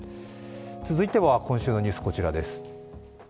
続いては、今週のニュースこちらです。